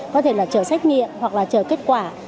có thể là chờ xét nghiệm hoặc là chờ kết quả